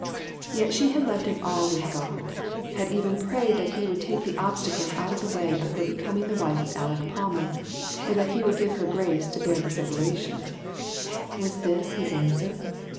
Yet she had left it all with $88 THREE OF US. God; had even prayed that He would take the obstacles out of the way of her becoming the wife of Aleck Palmer, or that He would give her grace to bear the separation. Was this His answer?